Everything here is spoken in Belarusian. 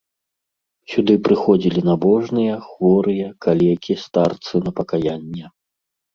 Сюды прыходзілі набожныя, хворыя, калекі, старцы на пакаянне.